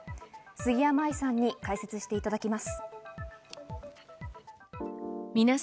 杉山愛さんに解説していただきます。